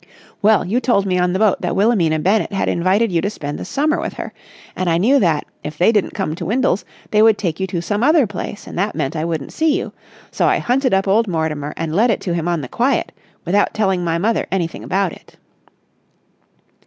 Well, you told me on the boat that Wilhelmina Bennett had invited you to spend the summer with her, and I knew that, if they didn't come to Windles, they would take some other place, and that meant I wouldn't see you. So I hunted up old Mortimer, and let it to him on the quiet, without telling my mother anything about it!"